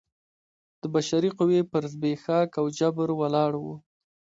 د بشري قوې پر زبېښاک او جبر ولاړ و.